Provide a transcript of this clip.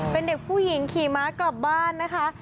เป็นเด็กผู้หญิงขี่ม้ากลับบ้านนะคะ